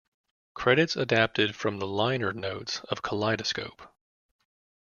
Credits adapted from the liner notes of "Kaleidoscope".